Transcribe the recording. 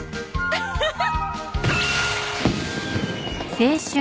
ウフフ。